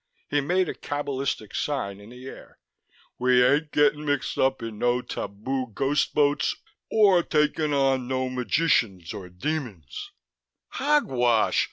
He made a cabalistic sign in the air. "We ain't gettin' mixed up in no tabu ghost boats or takin' on no magicians and demons " "Hogwash!